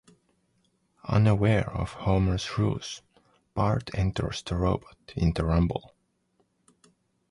Unaware of Homer's ruse, Bart enters the robot in the Rumble.